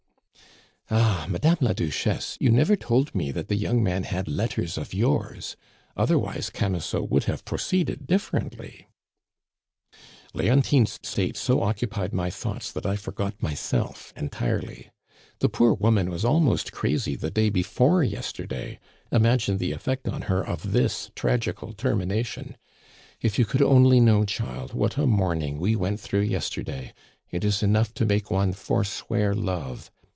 "Ah! Madame la Duchesse, you never told me that the young man had letters of yours. Otherwise Camusot would have proceeded differently..." "Leontine's state so occupied my thoughts that I forgot myself entirely. The poor woman was almost crazy the day before yesterday; imagine the effect on her of this tragical termination. If you could only know, child, what a morning we went through yesterday! It is enough to make one forswear love!